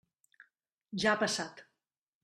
Ja ha passat.